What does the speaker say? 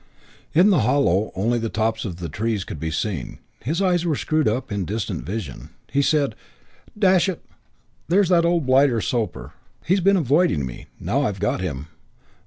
In the hollow only the tops of the trees could be seen. His eyes were screwed up in distant vision. He said, "Dash it, there's that old blighter Sooper. He's been avoiding me. Now I've got him.